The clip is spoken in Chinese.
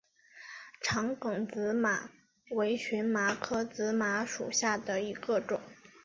长梗紫麻为荨麻科紫麻属下的一个种。